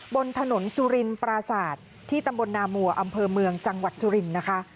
บนถนนสุรินปราศาสตร์ที่ตำบลนามัวอำเภอเมืองจังหวัดสุรินทร์นะคะ